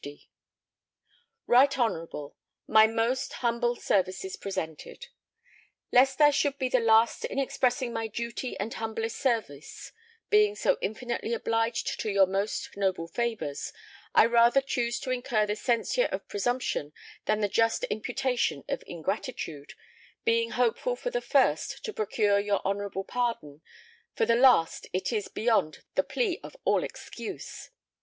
50=] RIGHT HONOURABLE, My most humble services presented. Lest I should be the last in expressing my duty and humblest service, being so infinitely obliged to your most noble favours, I rather choose to incur the censure of presumption, than the just imputation of ingratitude, being hopeful for the first to procure your honourable pardon, for the last it is beyond the plea of all excuse.